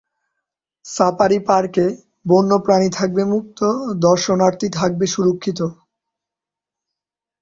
Safari পার্কে বন্যপ্রাণী থাকবে মুক্ত, দর্শনার্থী থাকবেন সুরক্ষিত।